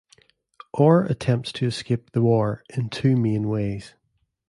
Orr attempts to escape the war in two main ways.